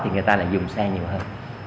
thì người ta lại dùng xe nhiều hơn